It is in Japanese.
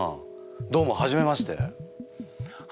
どうも初めまして。